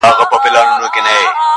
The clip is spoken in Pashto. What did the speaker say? مار يې ولیدی چي پروت وو بېگمانه٫